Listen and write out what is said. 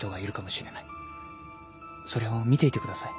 それを見ていてください